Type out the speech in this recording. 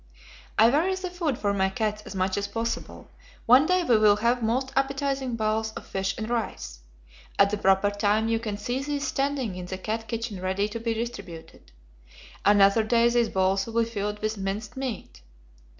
"I vary the food for my cats as much as possible. One day we will have most appetizing bowls of fish and rice. At the proper time you can see these standing in the cat kitchen ready to be distributed. Another day these bowls will be filled with minced meat.